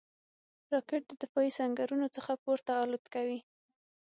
راکټ د دفاعي سنګرونو څخه پورته الوت کوي